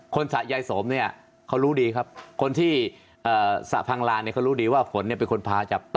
สะยายสมเนี่ยเขารู้ดีครับคนที่สระพังลานเนี่ยเขารู้ดีว่าฝนเนี่ยเป็นคนพาจับ